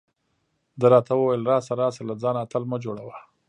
ده راته وویل: راشه راشه، له ځانه اتل مه جوړه.